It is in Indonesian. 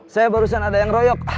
saya barusan ada yang royok